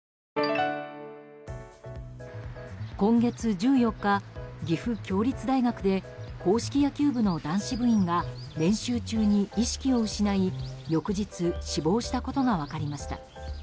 今月１４日、岐阜協立大学で硬式野球部の男子部員が練習中に意識を失い翌日、死亡したことが分かりました。